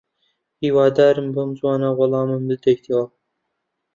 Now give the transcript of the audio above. هیوادارم بەم زووانە وەڵامم بدەیتەوە.